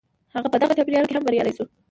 هغه په دغه چاپېريال کې هم بريالی شو.